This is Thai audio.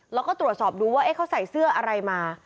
แล้วก็ตรวจสอบดูว่าเขาใส่เสื้ออะไรมา